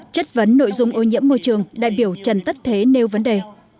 chất vấn nội dung ô nhiễm môi trường đại biểu trần tất thế nêu vấn đề